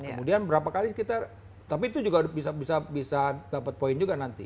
kemudian berapa kali sekitar tapi itu juga bisa dapat poin juga nanti